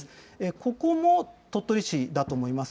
ここも鳥取市だと思います。